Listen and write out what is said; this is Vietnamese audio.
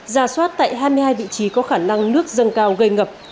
ra soát tại hai mươi hai vị trí có khả năng nước dâng cao gây ngập